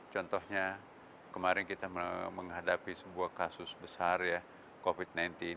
contohnya kemarin kita menghadapi sebuah kasus besar ya covid sembilan belas